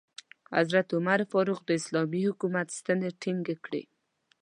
حضرت عمر فاروق د اسلامي حکومت ستنې ټینګې کړې.